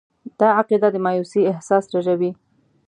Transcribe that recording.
دا عقیده د مایوسي احساس رژوي.